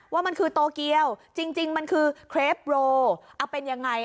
ว่ามันคือโตเกียวจริงมันคือเครปโลเอาเป็นยังไง